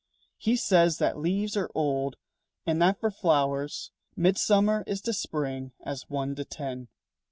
He says that leaves are old and that for flowers Mid summer is to spring as one to ten.